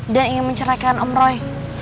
dan ingin mencerahkan om roy